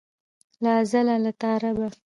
له ازله له تا ربه.